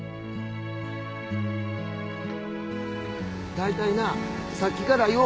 大体なさっきからよう何か。